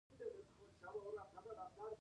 د کتاب نندارتونونه ګڼه ګوڼه لري.